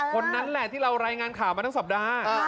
คนนั้นแหละที่เรารายงานข่าวมาทั้งสัปดาห์